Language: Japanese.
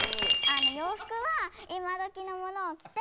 洋服は今どきのものを着て。